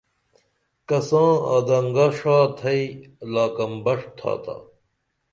کساں آدنگہ ݜا تھئی لاکن بݜ تھاتا